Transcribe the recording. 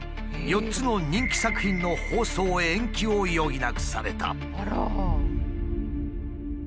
４つの人気作品の放送延期を余儀なくされた。